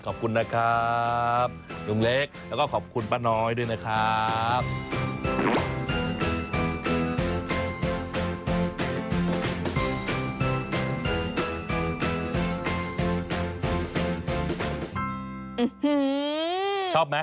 ขอบคุณนะครับลุงเล็กแล้วก็ขอบคุณป้าน้อยด้วยนะครับ